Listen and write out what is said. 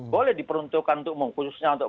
boleh diperuntukkan untuk umum khususnya untuk